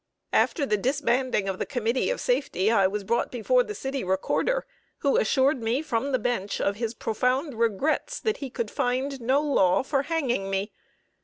After the disbanding of the Committee of Safety I was brought before the City Recorder, who assured me from the bench of his profound regrets that he could find no law for hanging me!